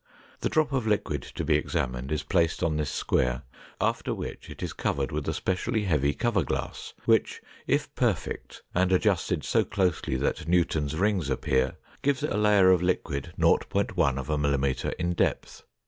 The drop of liquid to be examined is placed on this square, after which it is covered with a specially heavy cover glass, which, if perfect and adjusted so closely that Newton's rings appear, gives a layer of liquid 0.1 mm in depth.